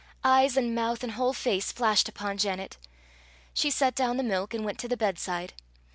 Eyes and mouth and whole face flashed upon Janet! She set down the milk, and went to the bedside.